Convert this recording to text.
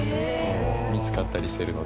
見つかったりしてるので。